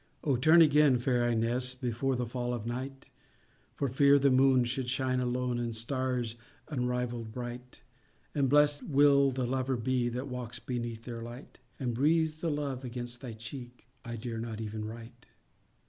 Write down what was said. O turn again, fair Ines, Before the fall of night, For fear the moon should shine alone, And stars unrivalltd bright; And blessed will the lover be That walks beneath their light, And breathes the love against thy cheek I dare not even write!